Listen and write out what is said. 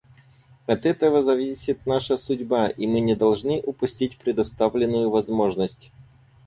От этого зависит наша судьба, и мы не должны упустить предоставленную возможность.